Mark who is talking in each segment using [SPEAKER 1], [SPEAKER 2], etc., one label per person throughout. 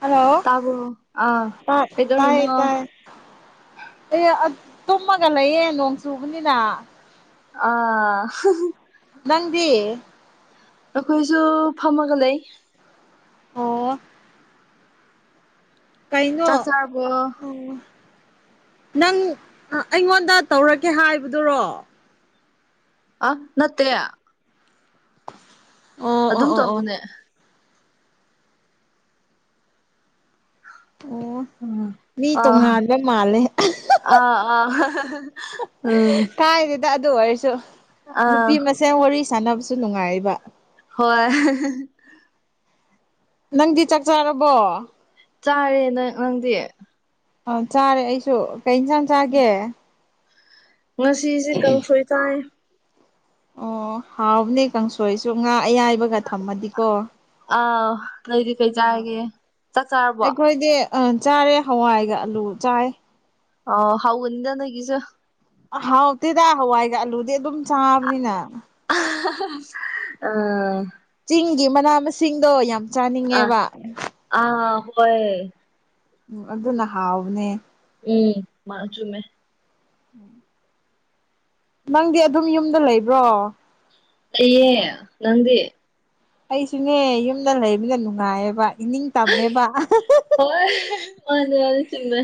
[SPEAKER 1] Hello
[SPEAKER 2] ꯇꯥꯕꯣ ꯑꯥ
[SPEAKER 1] ꯇꯥ
[SPEAKER 2] ꯀꯩꯗꯧꯔꯤꯅꯣ
[SPEAKER 1] ꯇꯥꯇꯌꯦ ꯇꯥꯏꯌꯦ꯫ ꯑꯦ ꯇꯨꯝꯃꯒ ꯂꯩꯌꯦ ꯅꯣꯡ ꯆꯨꯕꯅꯤꯅ꯫
[SPEAKER 2] ꯑ꯫
[SPEAKER 1] ꯅꯪꯗꯤ꯫
[SPEAKER 2] ꯑꯩꯈꯣꯏꯁꯨ ꯐꯝꯃꯒ ꯂꯩ꯫
[SPEAKER 1] ꯑꯣ꯫ ꯀꯩꯅꯣ
[SPEAKER 2] ꯆꯥꯛ
[SPEAKER 1] ꯑꯣ꯫
[SPEAKER 2] ꯆꯥꯔꯕꯣ
[SPEAKER 1] ꯅꯪ ꯑꯩꯉꯣꯟꯗ ꯇꯧꯔꯀꯦ ꯍꯥꯏꯕꯗꯨꯔꯣ꯫
[SPEAKER 2] ꯑ ꯅꯠꯇꯦ꯫
[SPEAKER 1] ꯑꯣ ꯑꯣ
[SPEAKER 2] ꯑꯗꯨꯝ
[SPEAKER 1] ꯑꯣ ꯑꯣ
[SPEAKER 2] ꯇꯧꯕꯅꯦ꯫
[SPEAKER 1] ꯑꯣ꯫
[SPEAKER 2] ꯎꯝ
[SPEAKER 1] ꯃꯤ
[SPEAKER 2] ꯑ
[SPEAKER 1] ꯇꯣꯉꯥꯟꯕ ꯃꯥꯜꯂꯦ
[SPEAKER 2] ꯑ ꯑ꯫
[SPEAKER 1] ꯀꯥꯏꯗꯦꯗ ꯑꯗꯨ ꯑꯣꯏꯔꯁꯨ
[SPEAKER 2] ꯑꯥ
[SPEAKER 1] ꯅꯨꯄꯤ ꯃ ꯁꯦꯟ ꯋꯥꯔꯤ ꯁꯥꯟꯅꯕꯁꯨ ꯅꯨꯡꯉꯥꯏꯔꯤꯕ꯫
[SPEAKER 2] ꯍꯣꯏ꯫
[SPEAKER 1] ꯅꯪꯗꯤ ꯆꯥꯛ ꯆꯥꯔꯕꯣ꯫
[SPEAKER 2] ꯆꯥꯔꯦ ꯅꯪ ꯅꯪꯗꯤ꯫
[SPEAKER 1] ꯑ ꯆꯥꯔꯦ ꯑꯩꯁꯨ ꯀꯩ ꯌꯦꯟꯁꯥꯡ ꯆꯥꯒꯦ꯫
[SPEAKER 2] ꯉꯁꯤꯁꯦ ꯀꯥꯡꯁꯣꯏ ꯆꯥꯏꯌꯦ꯫
[SPEAKER 1] ꯑꯣ ꯍꯥꯎꯕꯅꯦ ꯀꯥꯡꯁꯣꯏꯁꯨ ꯉꯥ ꯑꯌꯥꯏꯕꯒ ꯊꯝꯃꯗꯤꯀꯣ꯫
[SPEAKER 2] ꯑꯥꯎ ꯅꯣꯏꯗꯤ ꯀꯩ ꯆꯥꯔꯒꯦ ꯆꯥꯛ ꯆꯥꯔꯕꯣ
[SPEAKER 1] ꯑ ꯆꯥꯔꯦ ꯍꯋꯥꯏꯒ ꯑꯂꯨ ꯆꯥꯏ
[SPEAKER 2] ꯑꯥꯎ ꯍꯥꯎꯒꯅꯤꯗ ꯅꯣꯏꯒꯤꯁꯨ
[SPEAKER 1] ꯑ ꯍꯥꯎꯇꯦꯗ ꯍꯋꯥꯏꯒ ꯑꯥꯂꯨꯗꯤ ꯑꯗꯨꯝ ꯆꯥꯕꯅꯤꯅ
[SPEAKER 2] [unintelligible] ꯑꯥ
[SPEAKER 1] ꯆꯤꯡꯒꯤ ꯃꯅꯥ ꯃꯁꯤꯡꯗꯣ ꯌꯥꯝ
[SPEAKER 2] ꯑꯥ
[SPEAKER 1] ꯆꯥꯅꯤꯡꯉꯦꯕ
[SPEAKER 2] ꯑꯥ ꯍꯣꯏ
[SPEAKER 1] ꯎꯝ ꯑꯗꯨꯅ ꯍꯥꯎꯕꯅꯦ
[SPEAKER 2] ꯎꯝ ꯃꯥ ꯆꯨꯝꯃꯦ
[SPEAKER 1] ꯎꯝ ꯅꯪꯗꯤ ꯑꯗꯨꯝ ꯌꯨꯝꯗ ꯂꯩꯕ꯭ꯔꯣ
[SPEAKER 2] ꯂꯩꯌꯦ ꯅꯪꯗꯤ
[SPEAKER 1] ꯑꯩꯁꯨꯅꯦ ꯌꯨꯝꯗ ꯂꯩꯕꯅ ꯅꯨꯡꯉꯥꯏꯌꯦꯕ ꯏꯅꯤꯡ ꯇꯝꯃꯦꯕ ꯑ ꯍꯥ ꯍꯥ ꯍ
[SPEAKER 2] ꯍꯣꯏ ꯃꯥꯅꯦ ꯑꯗꯨ ꯆꯨꯝꯃꯦ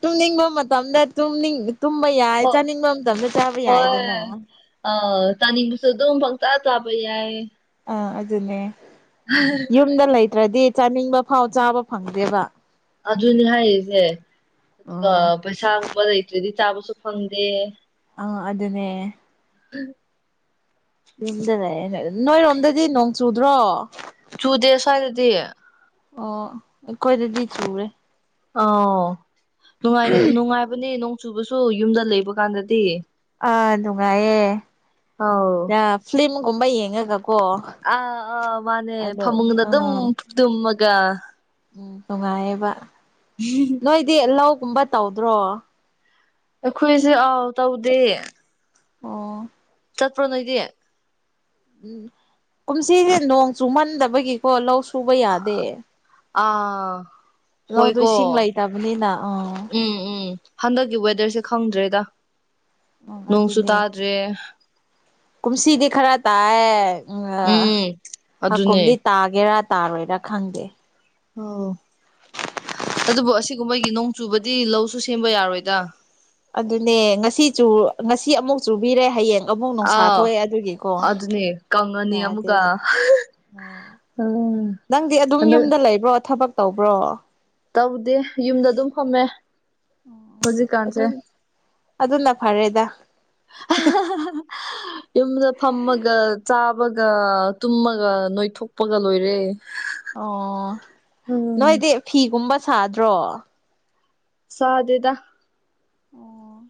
[SPEAKER 1] ꯇꯨꯝꯅꯤꯡꯕ ꯃꯇꯝꯗ ꯇꯨꯝꯅꯤꯡ ꯇꯨꯝꯕ
[SPEAKER 2] ꯍꯣ
[SPEAKER 1] ꯌꯥꯏ ꯆꯥꯅꯤꯡꯕ ꯃꯇꯝꯗ ꯆꯥꯕ ꯌꯥꯏꯗꯅ
[SPEAKER 2] ꯑꯧ ꯆꯥꯅꯤꯡꯕꯁꯨ ꯑꯗꯨꯝ ꯄꯪꯆꯥ ꯆꯥꯕ ꯌꯥꯏ
[SPEAKER 1] ꯑꯥ ꯑꯗꯨꯅꯦ
[SPEAKER 2] [inaudible]
[SPEAKER 1] ꯌꯨꯝꯗ ꯂꯩꯇ꯭ꯔꯗꯤ ꯆꯥꯅꯤꯡꯕ ꯐꯥꯎ ꯆꯥꯕ ꯐꯪꯗꯦꯕ
[SPEAKER 2] ꯑꯗꯨꯅꯤ ꯍꯥꯏꯔꯤꯁꯦ ꯑꯗꯨꯒ
[SPEAKER 1] ꯑꯣ
[SPEAKER 2] ꯄꯩꯁꯥꯒꯨꯝꯕ ꯂꯩꯇ꯭ꯔꯗꯤ ꯆꯥꯕꯁꯨ ꯐꯪꯗꯦ
[SPEAKER 1] ꯑ ꯑꯗꯨꯅꯦ
[SPEAKER 2] [inaudible]
[SPEAKER 1] ꯌꯨꯝꯗ ꯂꯩ [unintelligible] ꯅꯣꯏꯔꯣꯝꯗꯗꯤ ꯅꯣꯡ ꯆꯨꯗ꯭ꯔꯣ
[SPEAKER 2] ꯆꯨꯗꯦ ꯁ꯭ꯋꯥꯏꯗꯗꯤ
[SPEAKER 1] ꯑꯣ ꯑꯩꯈꯣꯏꯗꯗꯤ ꯆꯨꯔꯦ
[SPEAKER 2] ꯑꯣ ꯅꯨꯡꯉꯥꯏꯒꯦ ꯅꯨꯡꯉꯥꯏꯕꯅꯦ ꯅꯣꯡ ꯆꯨꯕꯁꯨ ꯌꯨꯝꯗ ꯂꯩꯕ ꯀꯥꯟꯗꯗꯤ
[SPEAKER 1] ꯑꯥ ꯅꯨꯡꯉꯥꯏꯌꯦ
[SPEAKER 2] ꯑꯥꯎ
[SPEAKER 1] ꯑꯥ ꯐ꯭ꯂꯤꯝꯒꯨꯝꯕ ꯌꯦꯡꯉꯒꯀꯣ
[SPEAKER 2] ꯑꯥ ꯑꯥ ꯃꯥꯅꯦ
[SPEAKER 1] ꯑꯗ
[SPEAKER 2] ꯐꯃꯨꯡꯗ ꯑꯗꯨꯝ
[SPEAKER 1] ꯑꯥ
[SPEAKER 2] ꯇꯨꯝꯃꯒ
[SPEAKER 1] ꯎꯝ ꯅꯨꯡꯉꯥꯏꯌꯦꯕ
[SPEAKER 2] [unintelligible]
[SPEAKER 1] ꯅꯣꯏꯗꯤ ꯂꯧꯀꯨꯝꯕ ꯇꯧꯗ꯭ꯔꯣ
[SPEAKER 2] ꯑꯩꯈꯣꯏꯁꯤ ꯑꯥꯎ ꯇꯧꯗꯦ
[SPEAKER 1] ꯑꯣ
[SPEAKER 2] ꯆꯠꯄ꯭ꯔꯣ ꯅꯣꯏꯗꯤ
[SPEAKER 1] ꯎꯝ ꯀꯨꯝꯁꯤꯁꯦ ꯅꯣꯡ ꯆꯨꯃꯟꯗꯕꯒꯤꯀꯣ ꯂꯧ ꯁꯨꯕ ꯌꯥꯗꯦ
[SPEAKER 2] ꯑꯥ
[SPEAKER 1] ꯂꯧꯗꯣ
[SPEAKER 2] ꯍꯣꯏꯀꯣ
[SPEAKER 1] ꯏꯁꯤꯡ ꯂꯩꯇꯕꯅꯤꯅ ꯑꯥ
[SPEAKER 2] ꯎꯝ ꯎꯝ ꯍꯟꯗꯛꯀꯤ ꯋꯦꯗꯔꯁꯦ ꯈꯪꯗ꯭ꯔꯦꯗ
[SPEAKER 1] ꯎꯝ
[SPEAKER 2] ꯅꯣꯡꯁꯨ
[SPEAKER 1] ꯑꯗꯨꯅꯦ
[SPEAKER 2] ꯇꯥꯗ꯭ꯔꯦ
[SPEAKER 1] ꯀꯨꯝꯁꯤꯗꯤ ꯈꯔ ꯇꯥꯏ ꯎꯝ ꯑꯥ
[SPEAKER 2] ꯎꯝ
[SPEAKER 1] ꯍꯥꯀꯨꯝꯗꯤ
[SPEAKER 2] ꯑꯗꯨꯅꯦ
[SPEAKER 1] ꯇꯥꯒꯦꯔꯥ ꯇꯥꯔꯣꯏꯔꯥ ꯈꯪꯗꯦ
[SPEAKER 2] ꯑꯣ ꯑꯗꯨꯕꯨ ꯑꯁꯤꯒꯨꯝꯕꯒꯤ ꯅꯣꯡ ꯆꯨꯕꯗꯤ ꯂꯧꯁꯨ ꯁꯦꯝꯕ ꯌꯥꯔꯣꯏꯗ
[SPEAKER 1] ꯑꯗꯨꯅꯦ ꯉꯁꯤ ꯆꯨ ꯉꯁꯤ ꯑꯃꯨꯛ ꯆꯨꯕꯤꯔꯦ ꯍꯌꯦꯡ ꯑꯃꯨꯛ ꯅꯨꯡꯁꯥ
[SPEAKER 2] ꯑꯥꯎ
[SPEAKER 1] ꯊꯣꯛꯑꯦ ꯑꯗꯨꯒꯤꯀꯣ
[SPEAKER 2] ꯑꯗꯨꯅꯦ ꯀꯪꯉꯅꯤ ꯑꯃꯨꯛꯀ
[SPEAKER 1] ꯌꯥꯗꯦꯕ ꯎꯉꯥ
[SPEAKER 2] ꯎꯝ
[SPEAKER 1] ꯅꯪꯗꯤ ꯑꯗꯨꯝ ꯌꯨꯝꯗ
[SPEAKER 2] ꯍꯟꯗꯛ
[SPEAKER 1] ꯂꯩꯕ꯭ꯔꯣ ꯊꯕꯛ ꯇꯧꯕ꯭ꯔꯣ꯫
[SPEAKER 2] ꯇꯧꯗꯦ ꯌꯨꯝꯗ ꯑꯗꯨꯝ ꯐꯝꯃꯦ꯫ ꯍꯧꯖꯤꯛ
[SPEAKER 1] ꯑꯗꯨ
[SPEAKER 2] ꯀꯥꯟꯁꯦ꯫
[SPEAKER 1] ꯑꯗꯨꯅ ꯐꯔꯦꯗ
[SPEAKER 2] ꯌꯨꯝꯗ ꯐꯝꯃꯒ ꯆꯥꯕꯒ꯫ ꯇꯨꯝꯃꯒ ꯅꯣꯏꯊꯣꯛꯄꯒ ꯂꯣꯏꯔꯦ꯫
[SPEAKER 1] ꯑꯣ
[SPEAKER 2] ꯎꯝ
[SPEAKER 1] ꯅꯣꯏꯗꯤ ꯐꯤꯒꯨꯝꯕ ꯁꯥꯗ꯭ꯔꯣ꯫
[SPEAKER 2] ꯁꯥꯗꯦꯗꯥ
[SPEAKER 1] ꯑꯣ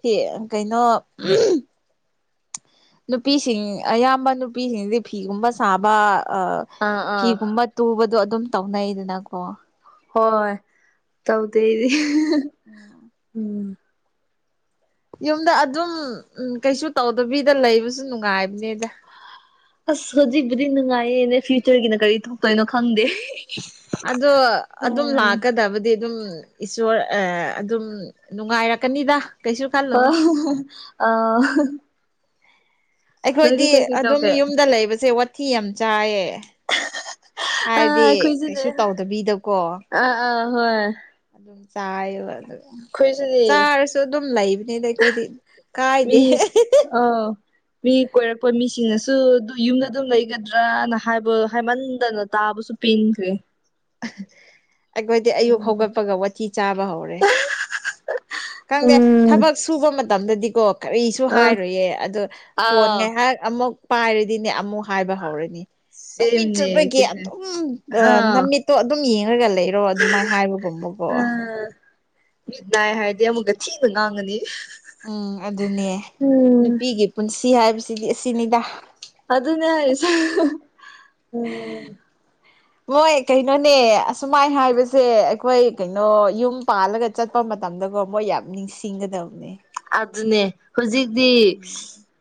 [SPEAKER 1] ꯇꯦ ꯀꯩꯅꯣ ꯎꯝ ꯅꯨꯄꯤꯁꯤꯡ ꯑꯌꯥꯝꯕ ꯅꯨꯄꯤꯁꯤꯡꯗꯤ ꯐꯤꯒꯨꯝꯕ ꯁꯥꯕ ꯑ
[SPEAKER 2] ꯑꯥ ꯑꯥ
[SPEAKER 1] ꯐꯤꯒꯨꯝꯕ ꯇꯨꯕꯗꯣ ꯑꯗꯨꯝ ꯇꯧꯅꯩꯗꯅꯀꯣ
[SPEAKER 2] ꯍꯣꯏ ꯇꯧꯗꯦ ꯑꯩꯗꯤ ꯎꯝ
[SPEAKER 1] ꯌꯨꯝꯗ ꯑꯗꯨꯝ ꯎꯝ ꯀꯩꯁꯨ ꯇꯧꯗꯕꯤꯗ ꯂꯩꯕꯁꯨ ꯅꯨꯡꯉꯥꯏꯕꯅꯦꯗ꯫
[SPEAKER 2] ꯑꯁ ꯍꯧꯖꯤꯛꯕꯨꯗꯤ ꯅꯨꯡꯉꯥꯏꯌꯦꯅꯦ ꯐ꯭ꯌꯨꯆꯔꯒꯤꯅ ꯀꯔꯤ ꯊꯣꯛꯇꯣꯏꯅꯣ ꯈꯪꯗꯦ꯫
[SPEAKER 1] ꯑꯗꯣ ꯑꯗꯨꯝ
[SPEAKER 2] ꯎꯝ
[SPEAKER 1] ꯂꯥꯛꯀꯗꯕꯗꯤ ꯗꯨꯝ ꯏꯁꯣꯔ ꯑꯥ ꯑꯗꯨꯝ ꯅꯨꯡꯉꯥꯏꯔꯛꯀꯅꯤꯗ꯫ ꯀꯩꯁꯨ ꯈꯜꯂꯨꯅꯨ
[SPEAKER 2] ꯍꯣꯏ ꯑꯥ
[SPEAKER 1] ꯑꯩꯈꯣꯏꯗꯤ ꯑꯗꯨꯝ
[SPEAKER 2] ꯇꯧꯒꯦ
[SPEAKER 1] ꯌꯨꯝꯗ ꯂꯩꯕꯖꯦ ꯋꯥꯊꯤ ꯌꯥꯝ ꯆꯥꯏꯌꯦ꯫
[SPEAKER 2] ꯑ
[SPEAKER 1] ꯍꯥꯏꯕꯗꯤ ꯀꯩꯁꯨ ꯇꯧꯗꯕꯤꯗꯀꯣ
[SPEAKER 2] ꯑ ꯑ ꯍꯣꯏ
[SPEAKER 1] ꯑꯗꯨꯝ ꯆꯥꯏꯕ ꯑꯗꯨ
[SPEAKER 2] ꯑꯩꯈꯣꯏꯁꯨꯅꯦ
[SPEAKER 1] ꯆꯥꯔꯁꯨ ꯑꯗꯨꯝ ꯂꯩꯕꯅꯤꯗ ꯑꯩꯈꯣꯏꯗꯤ ꯀꯥꯏꯗꯦ ꯍꯦ
[SPEAKER 2] ꯑꯧ ꯃꯤ ꯀꯣꯏꯔꯛꯄ ꯃꯤꯁꯤꯡꯅꯁꯨ ꯑꯗꯨ ꯌꯨꯝꯗ ꯑꯗꯨꯝ ꯂꯩꯒꯗ꯭ꯔꯅ ꯍꯥꯏꯕ ꯍꯥꯏꯃꯟꯗꯅ ꯇꯥꯕꯁꯨ ꯄꯤꯡꯒ꯭ꯔꯦ
[SPEAKER 1] ꯑꯩꯈꯣꯏꯗꯤ ꯑꯌꯨꯛ ꯍꯧꯒꯠꯄꯒ ꯋꯥꯊꯤ ꯆꯥꯕ ꯍꯧꯔꯦ꯫ ꯈꯪꯗꯦ
[SPEAKER 2] ꯎꯝ
[SPEAKER 1] ꯊꯕꯛ ꯁꯨꯕ ꯃꯇꯝꯗꯗꯤꯀꯣ꯫ ꯀꯔꯤꯁꯨ
[SPEAKER 2] ꯑ
[SPEAKER 1] ꯍꯥꯏꯔꯣꯢꯌꯦ ꯑꯗꯣ ꯐꯣꯟ
[SPEAKER 2] ꯑꯥꯎ
[SPEAKER 1] ꯉꯩꯍꯥꯛ ꯑꯃꯨꯛ ꯄꯥꯏꯔꯗꯤꯅꯦ ꯑꯃꯨꯛ ꯍꯥꯏꯕ ꯍꯧꯔꯅꯤ ꯅꯨꯃꯤꯠ
[SPEAKER 2] ꯁꯦꯝꯅꯦ
[SPEAKER 1] ꯆꯨꯞꯄꯒꯤ
[SPEAKER 2] ꯑꯩꯈꯣꯏꯅ
[SPEAKER 1] ꯑꯗꯨꯝ ꯑ
[SPEAKER 2] ꯑꯥ
[SPEAKER 1] ꯅꯃꯤꯠꯇꯣ ꯑꯗꯨꯝ ꯌꯦꯡꯔꯒ ꯂꯩ ꯔꯣ ꯑꯗꯨꯃꯥꯏ ꯍꯥꯏꯕꯒꯨꯝꯕꯒꯣ
[SPEAKER 2] ꯑꯥ ꯃꯤꯠ ꯅꯥꯏ ꯍꯥꯏꯔꯗꯤ ꯑꯃꯨꯛꯀ ꯊꯤꯅ ꯉꯥꯡꯉꯅꯤ꯫
[SPEAKER 1] ꯎꯝ ꯑꯗꯨꯅꯦ ꯅꯨꯄꯤꯒꯤ ꯄꯨꯟꯁꯤ ꯍꯥꯏꯕꯁꯤꯗꯤ ꯑꯁꯤꯅꯤꯗꯥ
[SPEAKER 2] ꯑꯗꯨꯅꯦ ꯍꯥꯏꯁ ꯎꯝ
[SPEAKER 1] ꯃꯣꯏ ꯀꯩꯅꯣꯅꯦ ꯑꯁꯨꯃꯥꯏ ꯍꯥꯏꯕꯁꯦ ꯑꯩꯈꯣꯏ ꯀꯩꯅꯣ ꯌꯨꯝ ꯄꯥꯜꯂꯒ ꯆꯠꯄ ꯃꯇꯝꯗꯒꯣ ꯃꯣꯏ ꯌꯥꯝ ꯅꯤꯡꯁꯤꯡꯒꯗꯧꯕꯅꯦ꯫
[SPEAKER 2] ꯑꯗꯨꯅꯦ ꯍꯨꯖꯤꯛꯗꯤ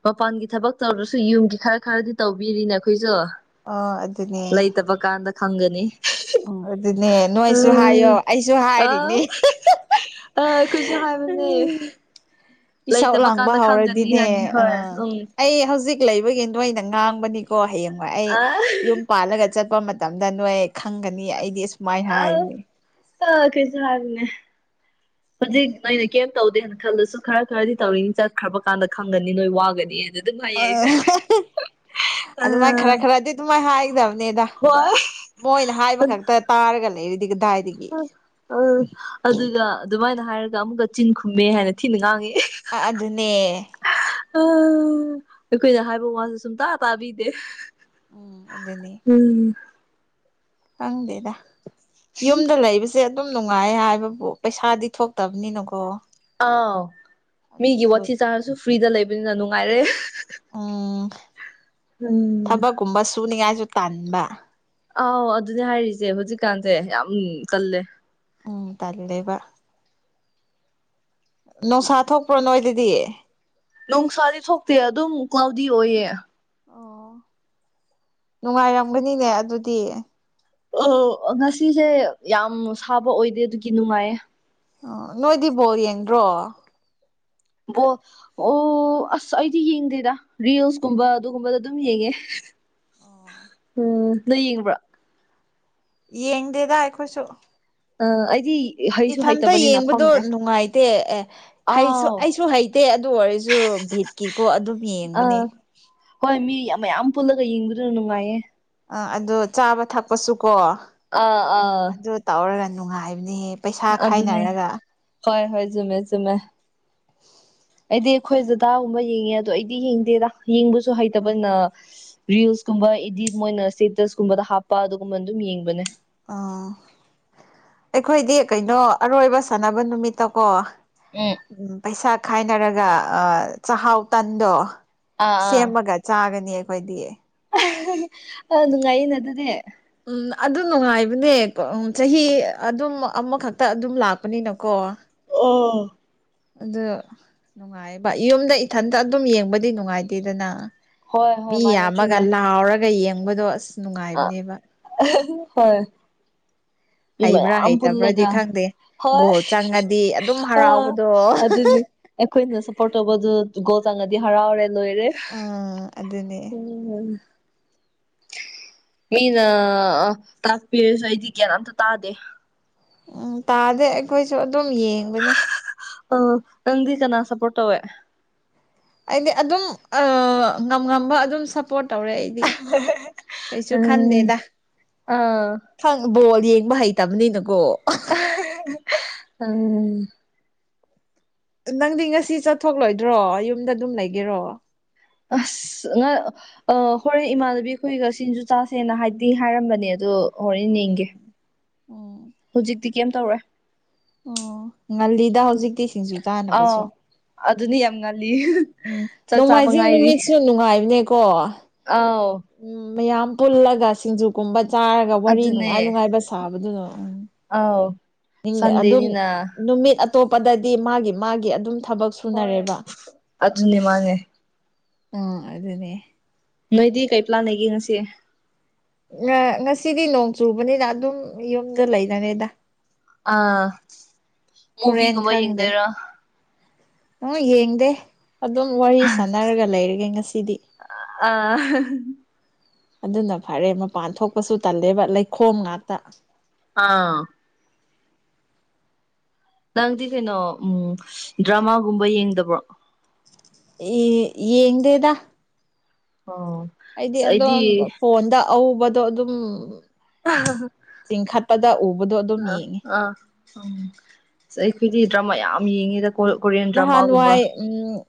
[SPEAKER 2] ꯃꯄꯥꯟꯒꯤ ꯊꯕꯛ ꯇꯧꯗ꯭ꯔꯁꯨ ꯌꯨꯝꯒꯤ ꯈꯔ ꯈꯔꯗꯤ ꯇꯧꯕꯤꯔꯤꯅ ꯑꯩꯈꯣꯏꯖꯨ꯫
[SPEAKER 1] ꯑꯣ ꯑꯗꯨꯅꯦ꯫
[SPEAKER 2] ꯀꯥꯟꯗ ꯈꯪꯒꯅꯤ
[SPEAKER 1] ꯎꯝ ꯑꯗꯨꯅꯦ
[SPEAKER 2] ꯑ
[SPEAKER 1] ꯅꯣꯏꯁꯨ ꯍꯥꯏꯌꯣ ꯑꯩꯁꯨ ꯍꯥꯏꯔꯤꯅꯦ
[SPEAKER 2] ꯑꯧ ꯀ ꯑ ꯑꯩꯈꯣꯏꯁꯨ ꯍꯥꯏꯕꯅꯦ꯫
[SPEAKER 1] ꯢꯁꯧ
[SPEAKER 2] ꯂꯩꯇꯕ
[SPEAKER 1] ꯂꯥꯡꯕ
[SPEAKER 2] ꯀꯥꯟꯗ ꯈꯪꯒꯅꯤ ꯍꯥꯏꯅꯤ
[SPEAKER 1] ꯍꯧꯔꯗꯤꯅꯦ ꯑ
[SPEAKER 2] ꯍꯣꯏ ꯎꯝ
[SPEAKER 1] ꯑꯩ ꯍꯧꯖꯤꯛ ꯂꯩꯕꯒꯤ ꯅꯣꯢꯅ ꯉꯥꯡꯕꯅꯤꯀꯣ ꯍꯌꯦꯡꯋꯥꯢ ꯑꯩ
[SPEAKER 2] ꯑ
[SPEAKER 1] ꯌꯨꯝ ꯄꯥꯜꯂꯒ ꯆꯠꯄ ꯃꯇꯝꯗ ꯅꯣꯏ ꯈꯪꯒꯅꯤ ꯑꯩꯗꯤ ꯑꯁꯨꯃꯥꯏꯅ
[SPEAKER 2] ꯑꯥꯎ
[SPEAKER 1] ꯍꯥꯏꯕꯅꯤ
[SPEAKER 2] ꯑ ꯀꯩꯁꯨ ꯍꯥꯢꯕꯅꯦ ꯍꯧꯖꯤꯛ ꯅꯣꯏꯅ ꯀꯩꯝ ꯇꯧꯗꯦꯅ ꯈꯜꯂꯁꯨ ꯈꯔ ꯈꯔꯗꯤ ꯇꯧꯔꯤꯅꯤ ꯆꯠꯈ꯭ꯔꯕ ꯀꯥꯟꯗ ꯈꯪꯒꯅꯤ ꯅꯣꯏ ꯋꯥꯒꯅꯤꯅ꯫
[SPEAKER 1] [unintelligible]
[SPEAKER 2] ꯑ
[SPEAKER 1] ꯑꯗꯨꯃꯥꯏ ꯈꯔ ꯈꯔꯗꯤ ꯑꯗꯨꯃꯥꯏ ꯍꯥꯏꯒꯗꯕꯅꯤꯗ
[SPEAKER 2] ꯍꯣꯏ
[SPEAKER 1] ꯃꯣꯏꯅ ꯍꯥꯏꯕ ꯈꯛꯇ ꯇꯥꯔꯒ ꯂꯩꯔꯗꯤ ꯀꯗꯥꯏꯗꯒꯤ
[SPEAKER 2] ꯑꯥ ꯑꯗꯨꯒ ꯑꯗꯨꯃꯥꯏꯅ ꯍꯥꯏꯔꯒ ꯑꯃꯨꯛꯀꯥ ꯆꯤꯟ ꯈꯨꯝꯃꯦ ꯍꯥꯏꯅ ꯊꯤꯅ ꯉꯥꯡꯉꯦ [unintelligible]
[SPEAKER 1] ꯑꯥ ꯑꯗꯨꯅꯦ
[SPEAKER 2] [unintelligible] ꯑꯩꯈꯣꯏꯅ ꯍꯥꯏꯕ ꯋꯥꯁꯨ ꯁꯨꯡꯇꯥꯥ ꯇꯥꯕꯤꯗꯦ
[SPEAKER 1] ꯎꯝ ꯑꯗꯨꯅꯦ
[SPEAKER 2] ꯎꯝ
[SPEAKER 1] ꯈꯪꯗꯦꯗꯥ ꯌꯨꯝꯗ ꯂꯩꯕꯁꯤ ꯖꯦ ꯑꯗꯨꯝ ꯅꯨꯡꯉꯥꯏ ꯍꯥꯏꯕꯕꯨ ꯄꯩꯁꯥꯗꯤ ꯊꯣꯛꯇꯕꯅꯤꯅꯥꯀꯣ
[SPEAKER 2] ꯑꯥꯎ ꯃꯤꯒꯤ ꯋꯥꯊꯤ ꯆꯥꯔꯁꯨ ꯐ꯭ꯔꯤꯗ ꯂꯩꯕꯅꯤꯅ ꯅꯨꯡꯉꯥꯏꯔꯦ
[SPEAKER 1] ꯎꯝ
[SPEAKER 2] ꯎꯝ
[SPEAKER 1] ꯊꯕꯛꯀꯨꯝꯕ ꯁꯨꯅꯤꯉꯥꯏꯁꯨ ꯇꯟꯕ
[SPEAKER 2] ꯑꯥꯎ ꯑꯗꯨꯅꯦ ꯍꯥꯏꯔꯤꯖꯦ ꯍꯧꯖꯤꯛꯀꯥꯟꯖꯦ ꯌꯥꯝ ꯇꯜꯂꯦ
[SPEAKER 1] ꯎꯝ ꯇꯜꯂꯦꯕꯥ ꯅꯣꯡꯁꯥ ꯊꯣꯛꯄ꯭ꯔꯣ ꯅꯣꯏꯗꯥꯗꯤ
[SPEAKER 2] ꯅꯣꯡꯁꯥꯗꯤ ꯊꯣꯛꯇꯦ ꯑꯗꯨꯝ ꯀ꯭ꯂꯣꯜꯗꯤ ꯑꯣꯏꯌꯦ
[SPEAKER 1] ꯑꯣ ꯅꯨꯡꯉꯥꯏꯔꯝꯒꯥꯅꯤꯅꯦ ꯑꯗꯨꯗꯤ
[SPEAKER 2] ꯑꯣ ꯉꯁꯤꯁꯦ ꯌꯥꯝ ꯁꯥꯕ ꯑꯣꯏꯗꯦ ꯑꯗꯨꯒꯤ ꯅꯨꯡꯉꯥꯏꯌꯦ
[SPEAKER 1] ꯑꯣ ꯅꯣꯏꯗꯤ ꯕꯣꯜ ꯌꯦꯡꯗ꯭ꯔꯣ
[SPEAKER 2] ꯕꯣꯜ ꯑꯣ ꯑꯁ ꯑꯩꯗꯤ ꯌꯦꯡꯗꯦꯗꯥ ꯔꯤꯜꯁꯀꯨꯝꯕ ꯑꯗꯨꯒꯨꯝꯕꯗ ꯑꯗꯨꯝ ꯌꯦꯡꯉꯦ ꯎꯝ ꯅꯣꯢ ꯌꯦꯡꯕ꯭ꯔꯣ
[SPEAKER 1] ꯌꯦꯡꯗꯦꯗꯥ ꯑꯩꯈꯣꯏꯁꯨ
[SPEAKER 2] ꯑꯥ ꯑꯩꯗꯤ ꯍꯩꯁꯨ
[SPEAKER 1] ꯏꯊꯟꯇꯥ
[SPEAKER 2] ꯍꯩꯇꯕꯅꯤꯅ
[SPEAKER 1] ꯌꯦꯡꯕꯗꯣ
[SPEAKER 2] ꯈꯪꯗꯦ
[SPEAKER 1] ꯅꯨꯡꯉꯥꯏꯇꯦ ꯑꯦ ꯍꯩꯁꯨ
[SPEAKER 2] ꯑꯥꯎ
[SPEAKER 1] ꯑꯩꯁꯨ ꯍꯩꯇꯦ ꯑꯗꯨ ꯑꯣꯏꯔꯁꯨ ꯚꯤꯠꯀꯤꯀꯣ ꯑꯗꯨꯝ ꯌꯦꯡꯕꯥꯅꯦ
[SPEAKER 2] ꯑꯥ ꯍꯣꯏ ꯃꯤ ꯌꯝ ꯃꯌꯥꯝ ꯄꯨꯜꯂꯒ ꯌꯦꯡꯕꯗꯨ ꯅꯨꯡꯉꯥꯏꯌꯦ
[SPEAKER 1] ꯑꯥ ꯑꯗꯣ ꯆꯥꯕ ꯊꯥꯛꯄꯥꯁꯨꯀꯣ
[SPEAKER 2] ꯑꯥ ꯑꯥ
[SPEAKER 1] ꯑꯗꯨ ꯇꯧꯔꯥꯒ ꯅꯨꯡꯉꯥꯏꯕꯅꯤꯍꯦ
[SPEAKER 2] ꯑꯗꯨꯅꯦ ꯍꯣꯢ ꯍꯣꯢ ꯆꯨꯝꯃꯦ ꯆꯨꯝꯃꯦ ꯑꯩꯗꯤ ꯑꯩꯈꯣꯏ ꯗꯗꯥꯒꯨꯝꯕ ꯌꯦꯡꯉꯦ ꯑꯗꯣ ꯑꯩꯗꯤ ꯌꯦꯡꯗꯦꯗꯥ ꯌꯦꯡꯕꯥꯁꯨ ꯍꯩꯇꯕꯅ ꯔꯤꯜꯁ ꯀꯨꯝꯕ ꯏꯗꯤꯠ ꯃꯣꯏꯅ ꯁꯇꯦꯇꯁ ꯀꯨꯝꯕꯗ ꯍꯥꯞꯄ ꯑꯗꯨꯒꯨꯝꯕ ꯗꯨꯝ ꯌꯦꯡꯕꯅꯦ
[SPEAKER 1] ꯑꯥ ꯑꯩꯈꯣꯏꯗꯤ ꯀꯩꯅꯣ ꯑꯔꯣꯏꯕ ꯁꯥꯟꯅꯕ ꯅꯨꯃꯤꯠꯇꯥꯀꯣ
[SPEAKER 2] ꯎꯝ
[SPEAKER 1] ꯎꯝ ꯄꯩꯁꯥ ꯈꯥꯏꯅꯔꯒ ꯆꯥꯍꯥꯎ ꯇꯟꯗꯣ
[SPEAKER 2] ꯑꯥ
[SPEAKER 1] ꯁꯦꯝꯃꯒ ꯆꯥꯒꯥꯅꯤ ꯑꯩꯈꯣꯏꯗꯤ
[SPEAKER 2] ꯑꯥ ꯅꯨꯡꯉꯥꯏꯅꯤꯅꯥ ꯑꯗꯨꯗꯤ
[SPEAKER 1] ꯎꯝ ꯑꯗꯨ ꯅꯨꯡꯉꯥꯏꯕꯅꯦꯀꯣ ꯆꯥꯍꯤ ꯑꯗꯨꯝ ꯑꯃꯈꯛꯇ ꯑꯗꯨꯝ ꯂꯥꯛꯄꯅꯤꯅꯥꯀꯣ
[SPEAKER 2] ꯑꯣ
[SPEAKER 1] ꯑꯗꯨ ꯅꯨꯡꯉꯥꯏꯕ ꯌꯨꯝꯗ ꯏꯊꯟꯇ ꯑꯗꯨꯝ ꯌꯦꯡꯕꯗꯤ ꯅꯨꯡꯉꯥꯏꯇꯦꯗꯥꯅ
[SPEAKER 2] ꯍꯣꯏ ꯍꯣꯏ
[SPEAKER 1] ꯃꯤ
[SPEAKER 2] ꯃꯥꯅꯦ
[SPEAKER 1] ꯌꯥꯝꯃꯥꯒ
[SPEAKER 2] ꯆꯨꯝꯃꯦ
[SPEAKER 1] ꯂꯥꯎꯔꯒ ꯌꯦꯡꯕꯗꯣ ꯑꯁ
[SPEAKER 2] ꯑ
[SPEAKER 1] ꯅꯨꯡꯉꯥꯏꯕꯅꯦꯕꯥ
[SPEAKER 2] ꯍꯣꯏ ꯃꯤ
[SPEAKER 1] ꯍꯩꯕ꯭ꯔꯥ
[SPEAKER 2] ꯃꯌꯥꯝ
[SPEAKER 1] ꯍꯩꯇꯕ꯭ꯔꯗꯤ
[SPEAKER 2] ꯄꯨꯜꯂꯥꯒ
[SPEAKER 1] ꯈꯪꯗꯦ
[SPEAKER 2] ꯍꯣꯏ
[SPEAKER 1] ꯒꯣꯜ ꯆꯪꯉꯗꯤ ꯑꯗꯨꯝ
[SPEAKER 2] ꯑꯥ
[SPEAKER 1] ꯍꯔꯥꯎꯕꯗꯣ
[SPEAKER 2] ꯑꯗꯨꯅꯤ ꯑꯩꯈꯣꯏꯅ ꯁꯞꯄꯣꯔꯠ ꯇꯧꯕꯗꯨ ꯒꯣꯜ ꯆꯪꯉꯥꯗꯤ ꯍꯔꯥꯎꯔꯦ ꯂꯣꯏꯔꯦ
[SPEAKER 1] ꯑꯥ ꯑꯗꯨꯅꯦ
[SPEAKER 2] ꯎꯝ ꯃꯤꯅ ꯇꯥꯛꯄꯤꯔꯁꯨ ꯑꯩꯗꯤ ꯒ꯭ꯌꯥꯟ ꯑꯝꯇ ꯇꯥꯗꯦ
[SPEAKER 1] ꯎꯝ ꯇꯥꯗꯦ ꯑꯩꯈꯣꯏꯁꯨ ꯑꯗꯨꯝ ꯌꯦꯡꯕꯅꯤ
[SPEAKER 2] ꯅꯪꯗꯤ ꯀꯅꯥ ꯁꯞꯄꯣꯔꯠ ꯇꯧꯋꯦ
[SPEAKER 1] ꯑꯩꯗꯤ ꯑꯗꯨꯝ ꯉꯝ ꯉꯝꯕ ꯑꯗꯨꯝ ꯁꯞꯄꯣꯔꯠ ꯇꯧꯔꯦ ꯑꯩ ꯀꯩꯁꯨ ꯈꯟꯗꯦꯗ
[SPEAKER 2] ꯑꯥ
[SPEAKER 1] [unintelligible] ꯪ ꯕꯣꯜ ꯌꯦꯡꯕ ꯍꯩꯇꯕꯅꯤꯅꯀꯣ
[SPEAKER 2] ꯎꯝ
[SPEAKER 1] ꯅꯪꯗꯤ ꯉꯁꯤ ꯆꯠꯊꯣꯛꯂꯣꯏꯗ꯭ꯔꯣ ꯌꯨꯝꯗ ꯑꯗꯨꯝ ꯂꯩꯒꯦꯔꯣ
[SPEAKER 2] ꯑ꯭ꯁ ꯑꯉꯥꯡ [unintelligible] ꯑꯥ ꯍꯣꯔꯦꯟ ꯏꯃꯥꯟꯅꯕꯤ ꯈꯣꯏꯒ ꯁꯤꯡꯖꯨ ꯆꯥꯁꯦꯅ ꯍꯥꯏꯗꯤ ꯍꯥꯏꯔꯝꯕꯅꯦ ꯑꯗꯣ ꯍꯣꯔꯦꯟ ꯌꯦꯡꯒꯦ
[SPEAKER 1] ꯎꯝ ꯎꯝ
[SPEAKER 2] ꯍꯧꯖꯤꯛꯇꯤ ꯀꯦꯝ ꯇꯧꯔꯣꯏ
[SPEAKER 1] ꯑꯣꯎꯝ [unintelligible] ꯉꯜꯂꯤꯗ ꯍꯧꯖꯤꯛꯇꯤ ꯁꯤꯡꯖꯨ
[SPEAKER 2] ꯑꯥꯎ
[SPEAKER 1] ꯆꯥꯅꯕꯁꯨ
[SPEAKER 2] ꯑꯗꯨꯅꯤ ꯌꯥꯝ ꯉꯜꯂꯤ
[SPEAKER 1] ꯎꯝ
[SPEAKER 2] ꯆꯥꯛ ꯆꯥꯕ
[SPEAKER 1] ꯅꯣꯡꯃꯥꯏꯖꯤꯡ
[SPEAKER 2] ꯉꯥꯏꯔꯤ
[SPEAKER 1] ꯅꯨꯃꯤꯠꯁꯨ ꯅꯨꯡꯉꯥꯏꯕꯅꯦꯀꯣ
[SPEAKER 2] ꯑꯧ
[SPEAKER 1] ꯎꯝ ꯃꯌꯥꯝ ꯄꯨꯜꯂꯒ ꯁꯤꯡꯖꯨꯒꯨꯝꯕ ꯆꯥꯔꯒ ꯋꯥꯔꯤ ꯅꯨꯡꯉꯥꯏ ꯅꯨꯡꯉꯥꯏꯕ ꯁꯥꯕꯗꯨꯅ ꯎꯝ
[SPEAKER 2] ꯑꯧ
[SPEAKER 1] ꯑꯗꯨꯝ ꯅꯨꯃꯤꯠ ꯑꯇꯣꯞꯄꯗꯗꯤ ꯃꯥꯒꯤ ꯃꯥꯒꯤ ꯑꯗꯨꯝ ꯊꯕꯛ ꯁꯨ
[SPEAKER 2] ꯍꯣꯏ ꯑꯗꯨꯅꯤ ꯃꯥꯅꯦ
[SPEAKER 1] ꯎꯝ ꯑꯗꯨꯅꯦ
[SPEAKER 2] ꯅꯣꯏꯗꯤ ꯀꯩ ꯄ꯭ꯂꯥꯟ ꯂꯩꯒꯦ ꯉꯁꯤꯦ
[SPEAKER 1] ꯉ ꯉꯁꯤꯗꯤ ꯅꯣꯡ ꯆꯨꯕꯅꯤꯅ ꯑꯗꯨꯝ ꯌꯨꯝꯗ ꯂꯩꯅꯔꯦꯗ
[SPEAKER 2] ꯑꯥ
[SPEAKER 1] ꯍꯣꯔꯦꯟ
[SPEAKER 2] ꯃꯨꯚꯤꯒꯨꯝꯕ
[SPEAKER 1] ꯈꯪꯗꯦ
[SPEAKER 2] ꯌꯦꯡꯗꯣꯏꯔꯣ
[SPEAKER 1] ꯍꯣꯏ [unintelligible] ꯌꯦꯡꯗꯦ ꯑꯗꯨꯝ ꯋꯥꯔꯤ ꯁꯥꯟꯅꯔꯒ ꯂꯩꯔꯒꯦ ꯉꯁꯤꯗꯤ
[SPEAKER 2] ꯑ
[SPEAKER 1] ꯑꯗꯨꯅ ꯐꯔꯦ ꯃꯄꯥꯟ ꯊꯣꯛꯄꯁꯨ ꯇꯜꯂꯦꯕ ꯂꯩꯈꯣꯝ ꯉꯥꯛꯇ
[SPEAKER 2] ꯑꯥ ꯅꯪꯗꯤ ꯀꯩꯅꯣ ꯎꯝ ꯗ꯭ꯔꯃꯥꯒꯨꯝꯕ ꯌꯦꯡꯗꯕ꯭ꯔꯣ
[SPEAKER 1] ꯌꯦꯡꯗꯦꯗ
[SPEAKER 2] ꯑꯣ
[SPEAKER 1] ꯑꯩꯗꯤ ꯑꯗꯨꯝ ꯐꯣꯟꯗ ꯑꯎꯕꯗꯣ ꯑꯗꯨꯝ ꯆꯤꯡꯈꯠꯄꯗ ꯎꯕꯗꯣ ꯑꯗꯨꯝ ꯌꯦꯡꯉꯤ
[SPEAKER 2] ꯑꯪ ꯎꯝ ꯑꯩꯈꯣꯏꯗꯤ ꯗ꯭ꯔꯃꯥ ꯌꯥꯝ ꯌꯦꯡꯉꯦꯗ ꯀꯣꯔꯤꯌꯟ ꯗ꯭ꯔꯃꯥꯒꯨꯝꯕ
[SPEAKER 1] ꯅꯍꯥꯟꯋꯥꯏ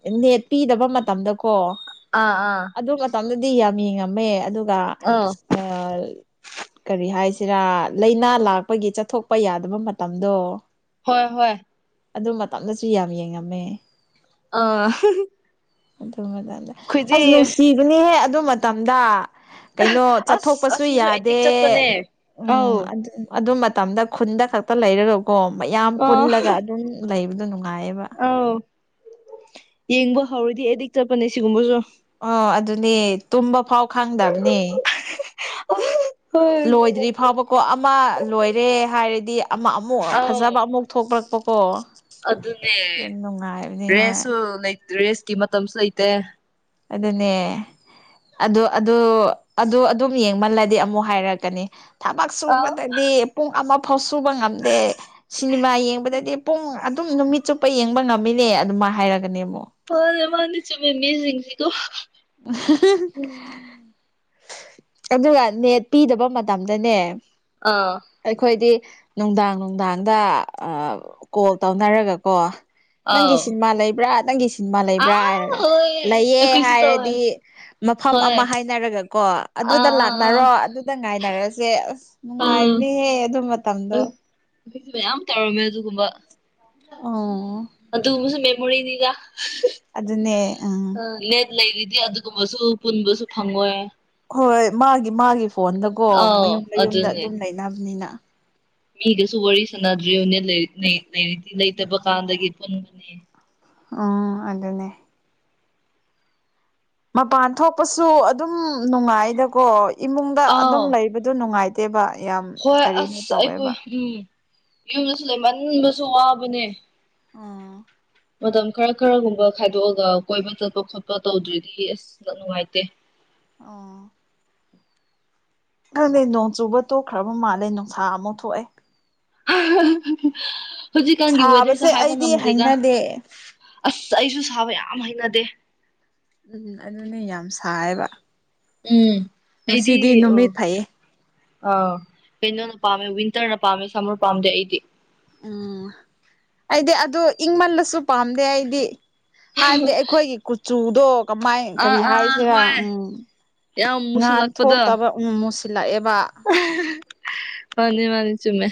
[SPEAKER 1] ꯎꯝ ꯅꯦꯠ ꯄꯤꯗꯕ ꯃꯇꯝꯗꯀꯣ
[SPEAKER 2] ꯑ ꯑ
[SPEAKER 1] ꯑꯗꯨ ꯃꯇꯝꯗꯗꯤ ꯌꯥꯝ ꯌꯦꯡꯉꯝꯃꯦ ꯑꯗꯨꯒ
[SPEAKER 2] ꯑꯪ
[SPEAKER 1] ꯑ [unintelligible] ꯀꯔꯤ ꯍꯥꯏꯁꯤꯔꯥ ꯂꯥꯏꯅꯥ ꯂꯥꯛꯄꯒꯤ ꯆꯠꯊꯣꯛꯄ ꯌꯥꯗꯕ ꯃꯇꯝꯗꯣ
[SPEAKER 2] ꯍꯣꯏ ꯍꯣꯏ
[SPEAKER 1] ꯑꯗꯨ ꯃꯇꯝꯗꯁꯨ ꯌꯥꯝ ꯌꯦꯡꯉꯝꯃꯦ
[SPEAKER 2] ꯑ
[SPEAKER 1] ꯑꯗꯨ ꯃꯇꯝꯗ ꯑꯁ ꯅꯨꯡꯁꯤꯕꯅꯤꯍꯦ ꯑꯗꯨ ꯃꯇꯝꯗ ꯀꯩꯅꯣ
[SPEAKER 2] ꯑꯁ
[SPEAKER 1] ꯆꯠꯊꯣꯛꯄꯁꯨ
[SPEAKER 2] ꯑꯁꯤꯁꯨ ꯑꯦꯗꯤꯛ
[SPEAKER 1] ꯌꯥꯗꯦ
[SPEAKER 2] ꯆꯠꯄꯅꯦ
[SPEAKER 1] ꯎꯝ
[SPEAKER 2] ꯑꯧ
[SPEAKER 1] ꯑꯗꯨ ꯃꯇꯝꯗ ꯈꯨꯟꯗ ꯈꯛꯇ ꯂꯩꯔꯒꯀꯣ ꯃꯌꯥꯝ
[SPEAKER 2] ꯑꯥ
[SPEAKER 1] ꯄꯨꯟꯂꯒ ꯑꯗꯨꯝ ꯂꯩꯕꯗꯣ ꯅꯨꯡꯉꯥꯏꯌꯦꯕ
[SPEAKER 2] ꯑꯧ ꯌꯦꯡꯕ ꯍꯧꯔꯗꯤ ꯑꯦꯗꯤꯛ ꯆꯠꯄꯅꯦ ꯁꯤꯒꯨꯝꯕꯖꯣ
[SPEAKER 1] ꯑꯣ ꯑꯗꯨꯅꯦ ꯇꯨꯝꯕ ꯐꯥꯎ ꯈꯪꯗꯝꯅꯦ
[SPEAKER 2] ꯍꯣꯏ
[SPEAKER 1] ꯂꯣꯏꯗ꯭ꯔꯤ ꯐꯥꯎꯕꯀꯣ ꯑꯃ ꯂꯣꯏꯔꯦ ꯍꯥꯏꯔꯗꯤ ꯑꯃ ꯑꯃꯨꯛ
[SPEAKER 2] ꯑꯥꯎ
[SPEAKER 1] ꯐꯖꯕ ꯑꯃꯨꯛ ꯊꯣꯛꯄꯔꯛꯄꯀꯣ
[SPEAKER 2] ꯑꯗꯨꯅꯦ
[SPEAKER 1] ꯍꯣꯏ
[SPEAKER 2] ꯔꯦꯁꯁꯨ ꯂꯩ ꯔꯦꯁꯀꯤ ꯃꯇꯝꯁꯨ ꯂꯩꯇꯦ
[SPEAKER 1] ꯑꯗꯨꯅꯦ ꯑ ꯑꯗꯨ ꯑꯗꯨ ꯑꯗꯨꯝ ꯌꯦꯡꯃꯜꯂꯗꯤ ꯑꯃꯨꯛ ꯍꯥꯏꯔꯛꯀꯅꯤ ꯊꯕꯛ
[SPEAKER 2] ꯑꯥꯎ
[SPEAKER 1] ꯁꯨꯕꯗꯗꯤ ꯄꯨꯡ ꯑꯃ ꯐꯥꯎ ꯁꯨꯕ ꯉꯝꯗꯦ ꯁꯤꯅꯤꯃꯥ ꯌꯦꯡꯕꯗꯗꯤ ꯄꯨꯡ ꯑꯗꯨꯝ ꯅꯨꯃꯤꯠ ꯆꯨꯞꯄ ꯌꯦꯡꯕ ꯉꯝꯃꯤꯅꯦ ꯑꯗꯨꯃ ꯍꯥꯏꯔꯒꯅꯦꯃꯨ
[SPEAKER 2] [unintelligible]
[SPEAKER 1] [unintelligible] ꯑꯗꯨꯒ ꯅꯦꯠ ꯄꯤꯗꯕ ꯃꯇꯝꯗꯅꯦ
[SPEAKER 2] ꯑꯥ
[SPEAKER 1] ꯑꯩꯈꯣꯏꯗꯤ ꯅꯨꯡꯗꯥꯡ ꯅꯨꯡꯗꯥꯡꯗ ꯑꯥ ꯀꯣꯜ ꯇꯧꯅꯔꯒꯀꯣ ꯅꯪꯒꯤ
[SPEAKER 2] ꯑꯥꯎ
[SPEAKER 1] ꯁꯤꯟꯃꯥ ꯂꯩꯕ꯭ꯔꯥ ꯅꯪꯒꯤ ꯁꯤꯟꯃꯥ ꯂꯩꯕ꯭ꯔꯥ ꯍꯥꯏꯔꯒ ꯂꯩꯌꯦ
[SPEAKER 2] ꯀꯩꯁꯨ ꯇꯧꯔꯣꯏ
[SPEAKER 1] ꯍꯥꯏꯔꯗꯤ ꯃꯐꯝ
[SPEAKER 2] ꯍꯣꯏ
[SPEAKER 1] ꯑꯃ ꯍꯥꯏꯅꯔꯒ ꯀꯣ
[SPEAKER 2] ꯑꯥ
[SPEAKER 1] ꯑꯗꯨꯗ
[SPEAKER 2] ꯑꯥ ꯑꯥ ꯑꯥ
[SPEAKER 1] ꯂꯥꯛꯅꯔꯣ ꯑꯗꯨꯗ ꯉꯥꯏꯅꯔꯁꯦ ꯑꯁ ꯅꯨꯡꯉꯥꯏꯕꯅꯦꯍꯦ ꯑꯗꯨ ꯃꯇꯝꯗꯣ
[SPEAKER 2] ꯃꯌꯥꯝ ꯇꯧꯔꯝꯃꯦ ꯑꯗꯨꯒꯨꯝꯕ
[SPEAKER 1] ꯑꯣ
[SPEAKER 2] ꯑꯗꯨꯃꯨꯁꯨ ꯃꯦꯃꯣꯔꯤꯅꯤꯗ
[SPEAKER 1] ꯑꯗꯨꯅꯦ ꯑ
[SPEAKER 2] ꯂꯩꯔꯤꯗꯤ ꯑꯗꯨꯒꯨꯝꯕꯁꯨ ꯄꯨꯟꯕꯁꯨ ꯐꯪꯉꯣꯏ
[SPEAKER 1] ꯍꯣꯏ ꯃꯥꯒꯤ ꯃꯥꯒꯤ ꯐꯣꯟꯗꯀꯣ
[SPEAKER 2] ꯑꯥꯎ
[SPEAKER 1] ꯃꯌꯨꯝ ꯃꯌꯨꯝꯗ
[SPEAKER 2] ꯑꯗꯨꯅꯦ
[SPEAKER 1] ꯑꯗꯨꯝ ꯂꯩꯅꯕꯅꯤꯅ
[SPEAKER 2] ꯃꯤꯒꯁꯨ ꯋꯥꯔꯤ ꯁꯥꯟꯅꯗ꯭ꯔꯤꯕꯅꯦ ꯅꯏꯔꯤꯛ ꯂꯥꯏꯔꯤꯛꯇꯤ ꯂꯩꯇꯕ ꯀꯥꯟꯗꯒꯤ ꯄꯨꯟꯕꯅꯦ
[SPEAKER 1] ꯎꯝ ꯑꯗꯨꯅꯦ ꯃꯄꯥꯟ ꯊꯣꯛꯄꯁꯨ ꯑꯗꯨꯝ ꯅꯨꯡꯉꯥꯏꯗꯀꯣ ꯏꯃꯨꯡꯗ ꯑꯗꯨꯝ
[SPEAKER 2] ꯑꯥꯎ
[SPEAKER 1] ꯂꯩꯕꯗꯨ ꯅꯨꯡꯉꯥꯏ ꯇꯦꯕ ꯌꯥꯝ
[SPEAKER 2] ꯍꯣꯏ
[SPEAKER 1] ꯀꯔꯤꯅꯣ
[SPEAKER 2] ꯑꯁ
[SPEAKER 1] ꯇꯧꯋꯦꯕ
[SPEAKER 2] [unintelligible] ꯌꯨꯝꯗꯁꯨ ꯂꯩꯃꯟꯕꯁꯨ ꯋꯥꯕꯅꯦ
[SPEAKER 1] ꯑꯣꯥ
[SPEAKER 2] ꯃꯇꯝ ꯈꯔ ꯈꯔꯒꯨꯝꯕ ꯈꯥꯏꯗꯣꯛꯑꯒ ꯀꯣꯏꯕ ꯆꯠꯄ ꯈꯣꯠꯄ ꯇꯧꯗ꯭ꯔꯤꯗꯤ ꯑꯁ ꯅꯨꯡꯉꯥꯏꯇꯦ
[SPEAKER 1] ꯑꯣ ꯈꯪꯗꯦ ꯅꯣꯡ ꯆꯨꯕ ꯇꯣꯛꯈ꯭ꯔꯕ ꯃꯥꯜꯂꯦ ꯅꯨꯡꯁꯥ ꯑꯃꯨ ꯊꯣꯛꯑꯦ
[SPEAKER 2] ꯍꯤꯖꯤꯛꯀꯥꯟꯒꯤ ꯋꯦꯗꯔꯁꯦ
[SPEAKER 1] ꯁꯥꯕꯁꯦ
[SPEAKER 2] ꯍꯥꯏꯕ
[SPEAKER 1] ꯑꯩꯗꯤ
[SPEAKER 2] ꯉꯝꯗꯦꯗ
[SPEAKER 1] ꯍꯩꯅꯗꯦ
[SPEAKER 2] ꯑꯁ ꯑꯩꯁꯨ ꯁꯥꯕ ꯌꯥꯝ ꯍꯩꯅꯗꯦ
[SPEAKER 1] ꯎꯝ ꯑꯗꯨꯅꯦ ꯌꯥꯝ ꯁꯥꯏꯌꯦꯕ
[SPEAKER 2] ꯎꯝ ꯑꯩꯗꯤ
[SPEAKER 1] ꯉꯁꯤꯗꯤ ꯅꯨꯃꯤꯠ
[SPEAKER 2] ꯑꯣ
[SPEAKER 1] ꯐꯩꯌꯦ
[SPEAKER 2] ꯑꯥ ꯀꯩꯅꯣꯅ ꯄꯥꯝꯃꯦ ꯋꯤꯟꯇꯔꯅ ꯄꯥꯝꯃꯦ ꯁꯝꯃꯔ ꯄꯥꯝꯗꯦ ꯑꯩꯗꯤ
[SPEAKER 1] ꯎꯝ ꯑꯩꯗꯤ ꯑꯗꯨ ꯏꯪꯃꯜꯂꯁꯨ ꯄꯥꯝꯗꯦ ꯑꯩꯗꯤ ꯍꯥꯏꯕꯗꯤ ꯑꯩꯈꯣꯏꯒꯤ ꯀꯨꯆꯨꯗꯣ ꯀꯃꯥꯏ
[SPEAKER 2] ꯑꯥ
[SPEAKER 1] ꯀꯔꯤ
[SPEAKER 2] ꯑꯥ ꯑꯥ
[SPEAKER 1] ꯍꯥꯏꯁꯤꯔꯥ
[SPEAKER 2] ꯍꯣꯏ
[SPEAKER 1] ꯎꯝ
[SPEAKER 2] ꯌꯥꯝ
[SPEAKER 1] ꯉꯥꯥꯟ
[SPEAKER 2] ꯃꯨꯁꯜꯂꯛꯄꯗꯣ
[SPEAKER 1] ꯊꯣꯛꯇꯕ ꯎꯝ ꯃꯣꯠꯁꯤꯂꯛꯑꯦꯕꯥ
[SPEAKER 2] ꯃꯥꯅꯤ ꯃꯥꯅꯤ ꯆꯨꯝꯃꯦ